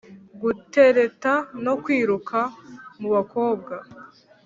gutereta no kwiruka mu bakobwa.